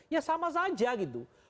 ya sama saja gitu